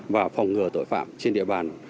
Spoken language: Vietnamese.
và phòng ngừa tội phạm trên địa bàn